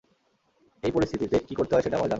এই পরিস্থিতিতে কী করতে হয় সেটা আমার জানা।